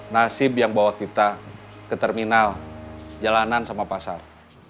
nasib yang bawa kita ke terminal jalanan sama pasar